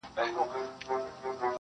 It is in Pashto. شاعري سمه ده چي ته غواړې